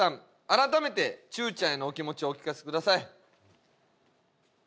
改めてちゅーちゃんへのお気持ちをお聞かせください。